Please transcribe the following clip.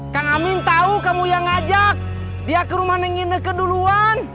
kang amin tau kamu yang ngajak dia ke rumah neng ineke duluan